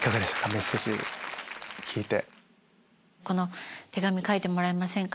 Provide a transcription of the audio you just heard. メッセージ聞いて。